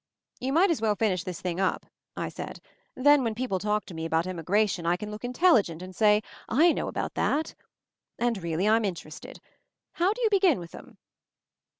You might as well finish this thing up," I said. "Then when people talk to me about immigration, I can look intelligent and say, 'I know about that/ And really, I'm inter ested. How do you begin with 'em?"